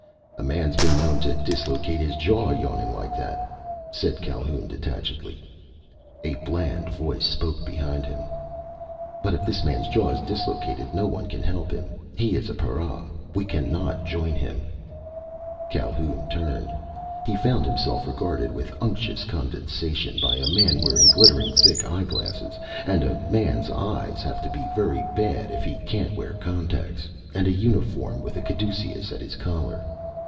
"A man's been known to dislocate his jaw, yawning like that," said Calhoun detachedly. A bland voice spoke behind him. "But if this man's jaw is dislocated, no one can help him. He is a para. We cannot join him." Calhoun turned. He found himself regarded with unctuous condescension by a man wearing glittering thick eyeglasses and a man's eyes have to be very bad if he can't wear contacts and a uniform with a caduceus at his collar.